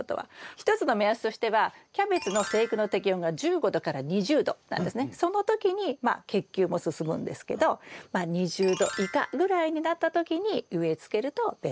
一つの目安としてはその時に結球も進むんですけどまあ２０℃以下ぐらいになった時に植え付けるとベスト。